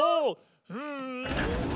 うん！